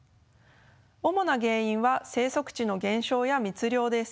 主な原因は生息地の減少や密猟です。